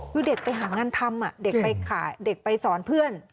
คือเด็กไปหางานทำเด็กไปสอนเพื่อน